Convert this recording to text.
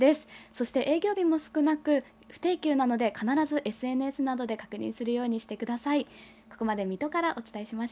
そして営業日が少なく不定休なので必ずＳＮＳなどで確認してください。